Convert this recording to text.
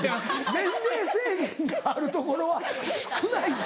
年齢制限がある所は少ないぞ。